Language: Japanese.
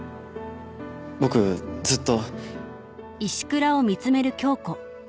僕ずっと